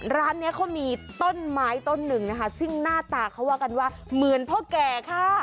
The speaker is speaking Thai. ร้านนี้มีมีต้นไม้ต้นหนึ่งหน้าตาเขาว่ากันว่าเหมือนพวกแก